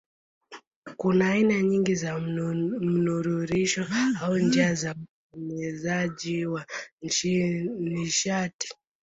Kuna aina nyingi za mnururisho au njia za uenezaji wa nishati.